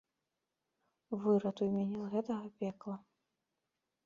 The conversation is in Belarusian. Выратуй мяне з гэтага пекла.